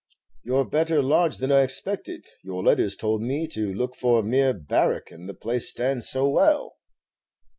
"You're better lodged than I expected your letters told me to look for a mere barrack; and the place stands so well."